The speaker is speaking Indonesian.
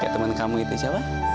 kayak temen kamu itu siapa